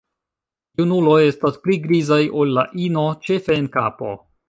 Junuloj estas pli grizaj ol la ino, ĉefe en kapo.